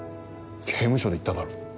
刑務所で言っただろ。